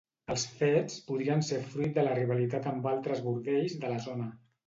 Els fets podrien ser fruit de la rivalitat amb altres bordells de la zona.